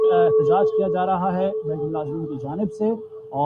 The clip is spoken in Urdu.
اور اسے ایک سٹیگما سمجھا جاتا ہے۔